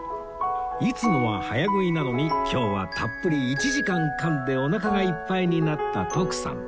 いつもは早食いなのに今日はたっぷり１時間かんでおなかがいっぱいになった徳さん